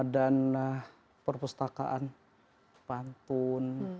dan perpustakaan pantun